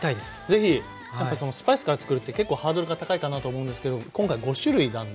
ぜひ！やっぱスパイスからつくるって結構ハードルが高いかなと思うんですけど今回５種類なんで。